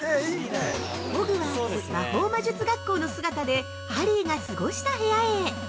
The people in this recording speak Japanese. ◆ホグワーツ魔法魔術学校の姿でハリーが過ごした部屋へ。